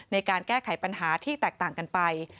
ในการแก้ไขปัญหาที่แตกต่างกันไป